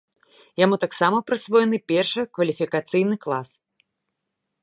Яму таксама прысвоены першы кваліфікацыйны клас.